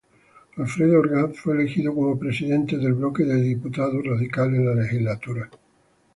Alfredo Orgaz fue elegido como presidente del bloque de diputados radical en la legislatura.